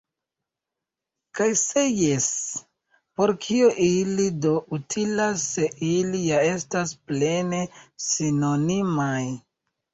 Kaj se jes, por kio ili do utilas, se ili ja estas plene sinonimaj?